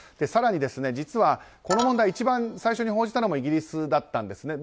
更に、実はこの問題を一番最初に報じたのもイギリスだったんです。